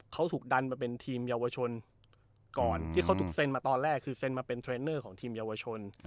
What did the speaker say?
เขาถูกดันมาเป็นทีมเยาวชนก่อนที่เขาถูกเซ็นมาตอนแรกคือเซ็นมาเป็นเทรนเนอร์ของทีมเยาวชน